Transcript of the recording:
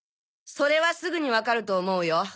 それはすぐにわかると思うよ。